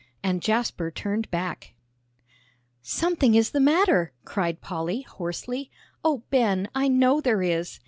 AND JASPER TURNED BACK "Something is the matter!" cried Polly, hoarsely. "Oh, Ben, I know there is!"